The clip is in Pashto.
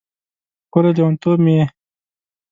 ښکلی لیونتوب مې یې